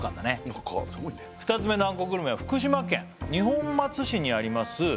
何かすごいね２つ目のあんこグルメは福島県二本松市にあります